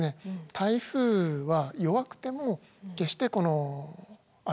台風は弱くても決してこの侮れない。